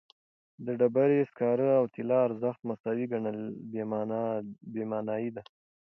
د ډبرې سکاره او طلا ارزښت مساوي ګڼل بېمعنایي ده.